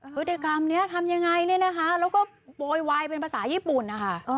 พฤติกรรมนี้ทำยังไงเนี่ยนะคะแล้วก็โวยวายเป็นภาษาญี่ปุ่นนะคะ